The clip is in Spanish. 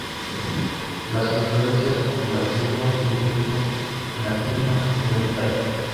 Las inflorescencias en racimos cilíndrico en la cima de un tallo.